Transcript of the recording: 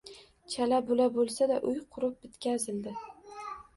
Chala bula boʻlsada uy qurib bitqazildi